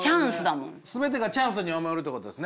全てがチャンスに思えるってことですね。